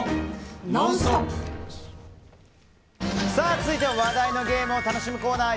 続いては話題のゲームを楽しむコーナー